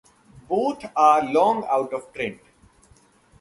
Both are long out of print.